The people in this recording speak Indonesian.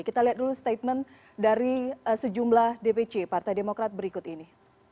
kita lihat dulu statement dari sejumlah dpc partai demokrat berikut ini